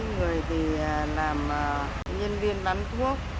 người thì làm nhân viên bán thuốc